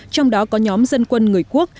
trong đó có nhóm dân quân người quốc